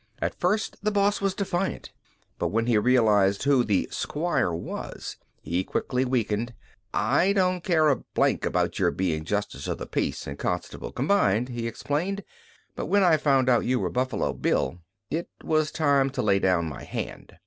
At first the boss was defiant, but when he realized who the 'Squire was he quickly weakened. "I didn't care a blank about you being justice of the peace and constable combined," he explained, "but when I found out you were Buffalo Bill it was time to lay down my hand."